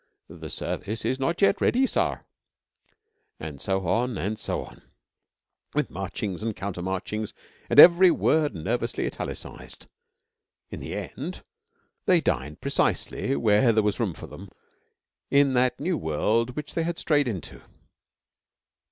_' 'The service is not yet ready, sar.' And so on and so on; with marchings and counter marchings, and every word nervously italicised. In the end they dined precisely where there was room for them in that new world which they had strayed into.